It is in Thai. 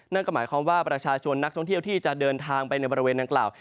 นั่นก็หมายความว่าประชาชนนักท่องเที่ยวที่จะเดินทางไปในบริเวณดังกล่าว